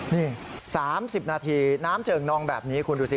นี่๓๐นาทีน้ำเจิงนองแบบนี้คุณดูสิ